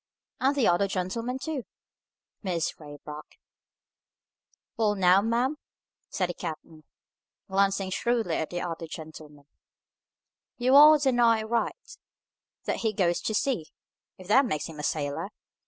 "And the other gentleman, too," said Mrs. Raybrock. "Well now, ma'am," said the captain, glancing shrewdly at the other gentleman, "you are that nigh right, that he goes to sea, if that makes him a sailor.